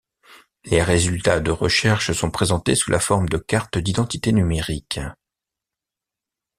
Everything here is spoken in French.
Les résultats de recherche sont présentés sous la forme de cartes d'identité numériques.